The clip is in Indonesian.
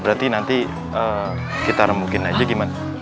berarti nanti kita remukin aja gimana